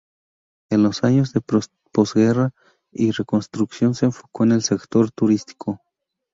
En los años de posguerra y reconstrucción, se enfocó en el sector turístico.